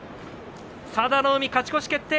佐田の海、勝ち越し決定。